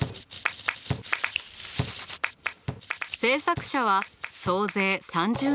制作者は総勢３０人ほど。